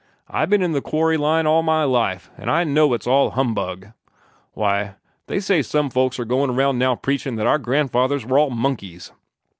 I've b'en in the quarry line all my life, an' I know it's all humbug! Why, they say some folks are goin' round now preachin' that our grandfathers were all monkeys.